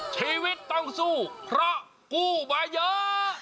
ชีวิตต้องสู้เพราะกู้มาเยอะ